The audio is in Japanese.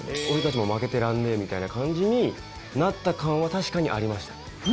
俺たちも負けてらんねえみたいな感じになった感は確かにありましたね。